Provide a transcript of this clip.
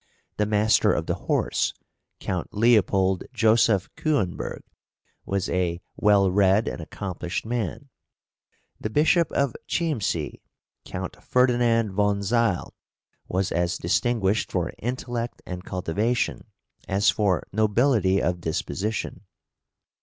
The Master of the Horse, Count Leopold Joseph Küenberg, was a well read and accomplished man; the Bishop of Chiemsee, Count Ferdinand von Zeil, was as distinguished for intellect and cultivation as for nobility of disposition.